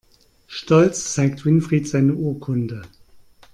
Stolz zeigt Winfried seine Urkunde.